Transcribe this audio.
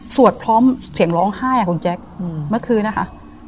สวดพร้อมเสียงร้องไห้ของแจ็คเมื่อคืนนะคะ